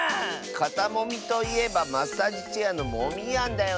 かたもみといえばマッサージチェアのモミヤンだよね。